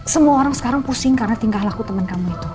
semua orang sekarang pusing karena tingkah laku teman kamu itu